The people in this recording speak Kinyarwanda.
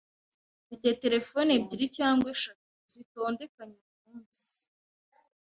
Mfite Terefone ebyiri cyangwa eshatu zitondekanye uyu munsi.